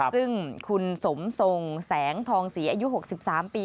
ซึ่งคุณสมทรงแสงธองสีอายุหกสิบสามปี